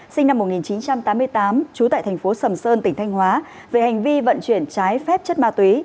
sinh năm một nghìn chín trăm tám mươi tám trú tại thành phố sầm sơn tỉnh thanh hóa về hành vi vận chuyển trái phép chất ma túy